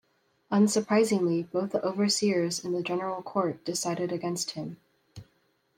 Unsurprisingly, both the Overseers and General Court decided against him.